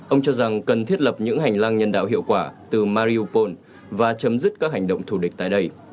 ông cho rằng cần thiết lập những hành lang nhân đạo hiệu quả từ mariopol và chấm dứt các hành động thù địch tại đây